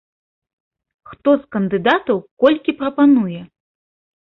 Хто з кандыдатаў колькі прапануе?